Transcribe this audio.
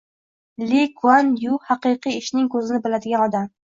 Li Kuan Yu xaqiqiy ishning ko‘zini biladigan odam.